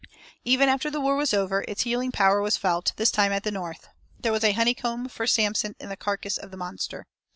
Even after the war was over, its healing power was felt, this time at the North. There was a honeycomb for Samson in the carcass of the monster.